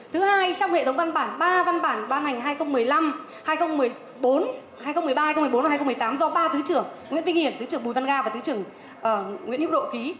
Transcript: thứ hai trong hệ thống văn bản ba văn bản ban hành hai nghìn một mươi năm hai nghìn một mươi ba hai nghìn một mươi bốn và hai nghìn một mươi tám do ba tứ trưởng nguyễn vinh hiển tứ trưởng bùi văn ga và tứ trưởng nguyễn hiếu độ ký